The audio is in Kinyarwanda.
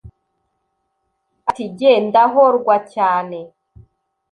Ati jye ndahorwacyane